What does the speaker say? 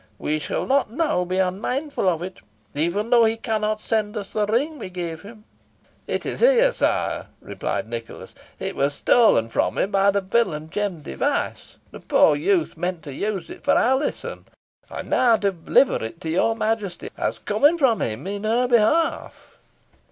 We shall not now be unmindful of it, even though he cannot send us the ring we gave him." "It is here, sire," replied Nicholas. "It was stolen from him by the villain, Jem Device. The poor youth meant to use it for Alizon. I now deliver it to your Majesty as coming from him in her behalf."